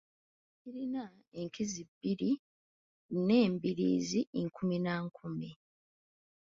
Kirina enkizi bbiri n'embiriizi nkumi na nkumi.